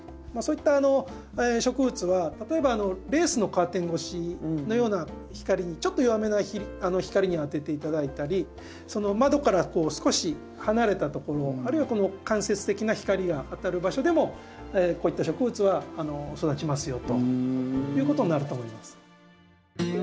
まあそういった植物は例えばレースのカーテン越しのような光ちょっと弱めな光に当てて頂いたり窓からこう少し離れたところあるいは間接的な光が当たる場所でもこういった植物は育ちますよということになると思います。